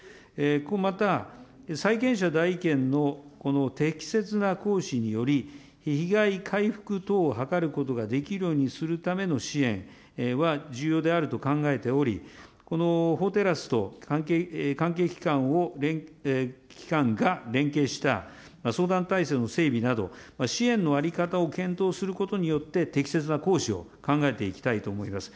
ここまた、債権者代位権のこの適切な行使により、被害回復等を図ることができるようにするための支援は重要であると考えており、法テラスと関係機関が連携した相談体制の整備など、支援の在り方を検討することによって、適切な行使を考えていきたいと思います。